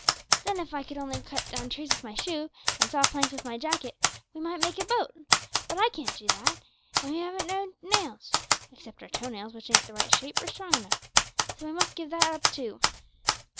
Then, if I could only cut down trees with my shoe, and saw planks with my jacket, we might make a boat; but I can't do that, and we haven't no nails except our toe nails, which ain't the right shape or strong enough; so we must give that up too.